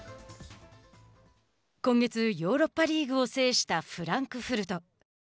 今月ヨーロッパリーグを制したフランクフルト。